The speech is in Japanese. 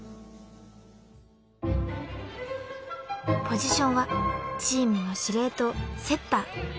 ［ポジションはチームの司令塔セッター］